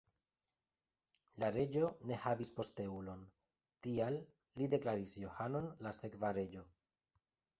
La reĝo ne havis posteulon, tial li deklaris Johanon la sekva reĝo.